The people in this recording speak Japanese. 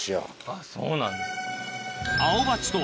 あっそうなんですか。